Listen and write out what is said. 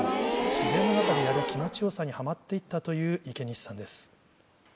自然の中でやる気持ち良さにハマって行ったという池西さんです。